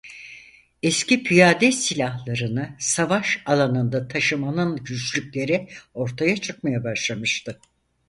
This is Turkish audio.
Eski piyade silahlarını savaş alanında taşımanın güçlükleri ortaya çıkmaya başlamıştı.